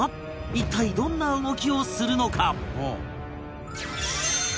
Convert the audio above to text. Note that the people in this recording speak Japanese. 一体どんな動きをするのか？